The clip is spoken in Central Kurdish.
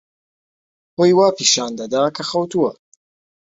خۆی وا پیشان دەدا کە خەوتووە.